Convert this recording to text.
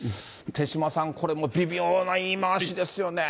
手嶋さん、これも微妙な言い回しですよね。